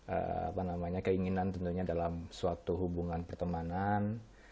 apa namanya keinginan tentunya dalam suatu hubungan pertemanan